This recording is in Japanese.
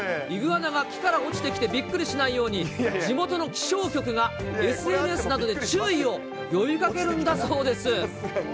イグアナが木から落ちてきてびっくりしないように、地元の気象局がＳＮＳなどで注意を呼びかけるんだそうです。